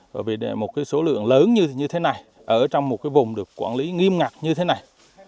bởi vì một cái số lượng lớn như thế này ở trong một cái vùng được quản lý nghiêm ngặt như thế này